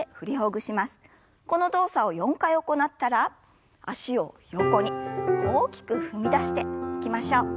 この動作を４回行ったら脚を横に大きく踏み出していきましょう。